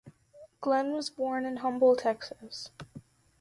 Glenn was born in Humble, Texas.